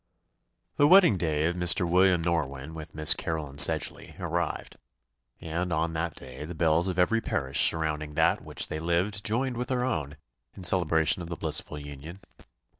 The wedding day of Mr. William Norwynne with Miss Caroline Sedgeley arrived; and, on that day, the bells of every parish surrounding that in which they lived joined with their own, in celebration of the blissful union.